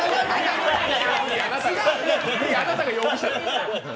あなたが容疑者なの。